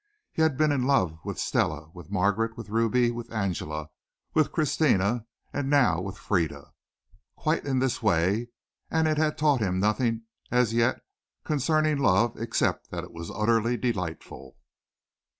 He had been in love with Stella, with Margaret, with Ruby, with Angela, with Christina, and now with Frieda, quite in this way, and it had taught him nothing as yet concerning love except that it was utterly delightful.